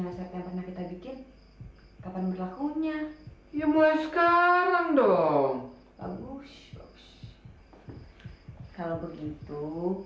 kak saya pernah kita bikin kapan berlakunya ya mulai sekarang dong bagus kalau begitu